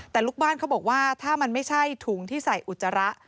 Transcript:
แต่ลูกบ้านเขาบอกว่าถ้ามันไม่ใช่ถุงที่ใส่อุจจาระ